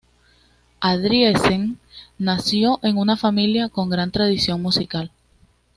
Andriessen nació en una familia con gran tradición musical.